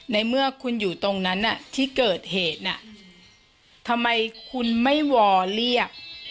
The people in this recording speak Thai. ในเมื่อคุณอยู่ตรงนั้นที่เกิดเหตุน่ะทำไมคุณไม่วอเรียก